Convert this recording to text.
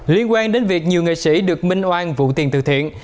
liên quan đến việc nhiều nghệ sĩ được minh oan vụ tiền từ thiện